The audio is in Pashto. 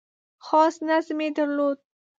خاص نظم یې درلود .